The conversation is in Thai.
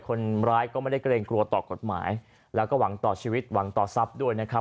คนร้ายก็ไม่ได้เกรงกลัวต่อกฎหมายแล้วก็หวังต่อชีวิตหวังต่อทรัพย์ด้วยนะครับ